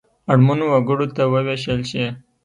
اړمنو وګړو ته ووېشل شي.